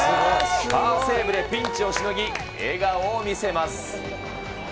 パーセーブでピンチをしのぎ、笑顔を見せます。